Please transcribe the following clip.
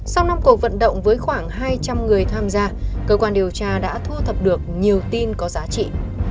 sau năm cuộc vận động với khoảng hai trăm linh người tham gia cơ quan điều tra đã thu thập được nhiều tin có giá trị